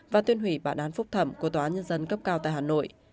và tuyên hủy bản án phúc thẩm của tòa nhân dân cấp cao tại hà nội